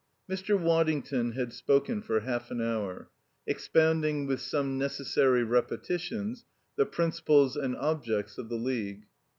2 Mr. Waddington had spoken for half an hour, expounding, with some necessary repetitions, the principles and objects of the League.